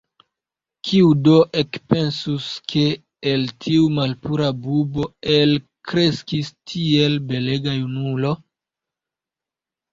Kiu do ekpensus, ke el tiu malpura bubo elkreskis tiel belega junulo!